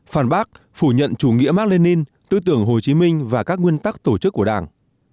phản bác phủ nhận chủ nghĩa mark lenin tư tưởng hồ chí minh và các nguyên tắc tổ chức của đảng